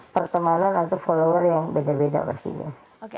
pertemanan atau follower yang beda beda pastinya